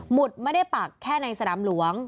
ไม่ได้ปักแค่ในสนามหลวง